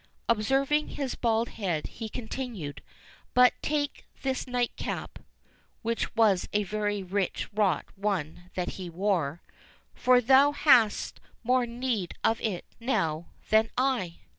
Observing his bald head, he continued, "but take this night cap (which was a very rich wrought one that he wore), for thou hast more need of it now than I."